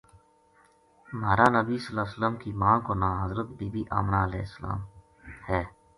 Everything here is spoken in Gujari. مہارا بنی ﷺ کی ماں کو ناں حضرت بی بی آمنہ علیہا السلام ہے۔